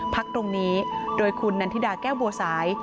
พักตรงนี้โดยคุณนันทิดาแก้วบัวสาย